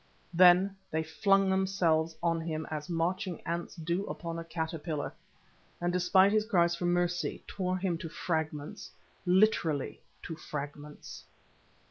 Then they flung themselves on him as marching ants do upon a caterpillar, and despite his cries for mercy, tore him to fragments, literally to fragments.